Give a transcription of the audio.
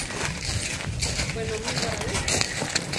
Wenomíwara rú?